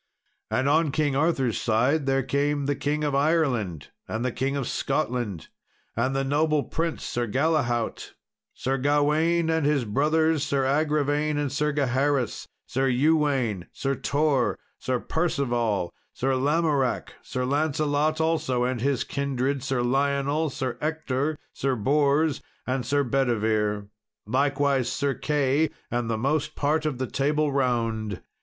And on King Arthur's side there came the King of Ireland and the King of Scotland, the noble prince Sir Galahaut, Sir Gawain and his brothers Sir Agravain and Sir Gaheris, Sir Ewaine, Sir Tor, Sir Perceval, and Sir Lamoracke, Sir Lancelot also and his kindred, Sir Lionel, Sir Ector, Sir Bors and Sir Bedivere, likewise Sir Key and the most part of the Table Round.